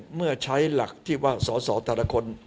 ๑เมื่อใช้หลักที่ว่าสอสอทุกคน